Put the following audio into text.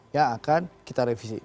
yang akan kita revisi